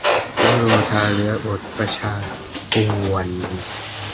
วโรทาห์ เหลืออด ประชาธิป่วน